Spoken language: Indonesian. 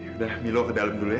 ya udah milo ke dalam dulu ya